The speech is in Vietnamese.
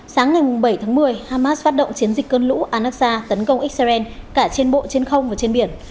sáng ngày bảy tháng một mươi hamas phát động chiến dịch cơn lũ anasa tấn công israel cả trên bộ trên không và trên biển